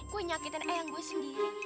gue nyakitin eyang gue sendiri